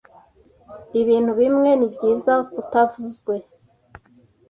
Ibintu bimwe nibyiza kutavuzwe.